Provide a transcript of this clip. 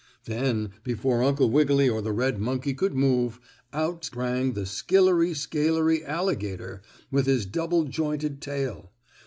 Then, before Uncle Wiggily or the red monkey could move, out sprang the skillery scalery alligator with his double jointed tail.